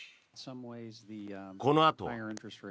このあとは。